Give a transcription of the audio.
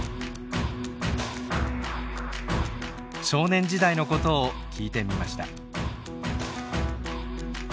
少年時代の事を聞いてみました。